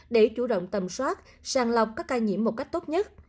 để chủ động tầm soát sàng lọc các ca nhiễm một cách tốt nhất